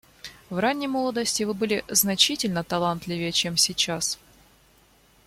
В ранней молодости Вы были значительно талантливее, чем сейчас.